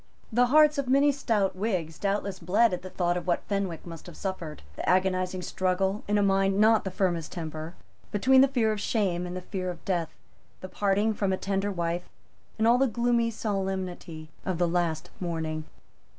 The hearts of many stout Whigs doubtless bled at the thought of what Fenwick must have suffered, the agonizing struggle, in a mind not of the firmest temper, between the fear of shame and the fear of death, the parting from a tender wife, and all the gloomy solemnity of the last morning.